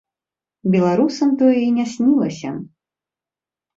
Беларусам тое і не снілася.